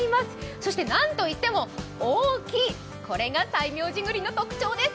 そしてなんといっても大きい、これが西明寺栗の特徴です。